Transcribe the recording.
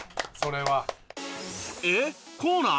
えっコーナー？